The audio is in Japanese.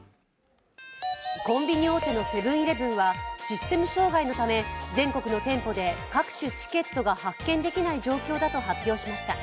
コンビニ大手のセブン−イレブンはシステム障害のため全国の店舗で各種チケットが発券できない状況だと発表しました。